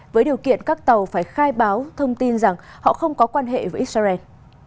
với điều kiện các tàu phải khai báo thông tin rằng họ không có quan hệ với israel